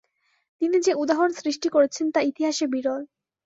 তিনি যে উদাহরণ সৃষ্টি করেছেন তা ইতিহাসে বিরল।